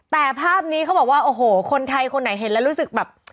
แต่ภาพนี้เขาบอกว่าโอ้โหคนไทยคนไหนเห็นแล้วรู้สึกแบบ